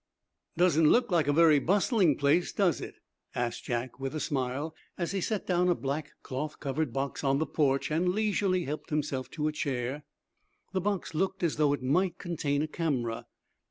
"Doesn't look like a very bustling place, does it?" asked Jack, with a smile, as he set down a black, cloth covered box on the porch and leisurely helped himself to a chair. The box looked as though it might contain a camera.